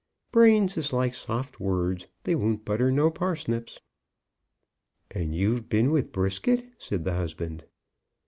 "Brains is like soft words; they won't butter no parsnips." "And you've been with Brisket?" said the husband.